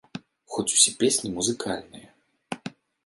Хоць усе песні музыкальныя!